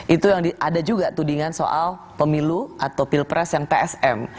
itu yang ada juga tudingan soal pemilu atau pilpres yang tsm